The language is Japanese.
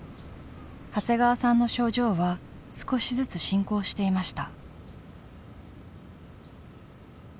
長谷川さんの症状は少しずつ進行していました。